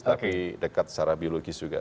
tapi dekat secara biologis juga